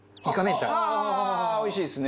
おいしいですね。